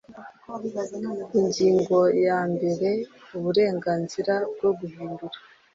Ingingo Ya Mbere Uburenganzira Bwo Guhindura